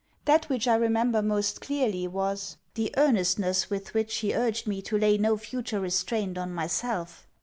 That which I remember most clearly was, the earnestness with which he urged me to lay no future restraint on myself.